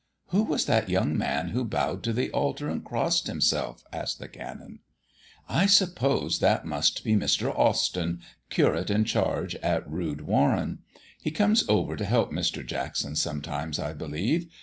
"Who was that young man who bowed to the altar and crossed himself?" asked the Canon. "I suppose that must be Mr. Austyn, curate in charge at Rood Warren. He comes over to help Mr. Jackson sometimes, I believe.